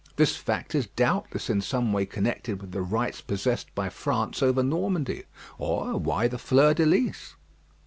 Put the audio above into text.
This fact is doubtless in some way connected with the rights possessed by France over Normandy: or why the fleur de lys?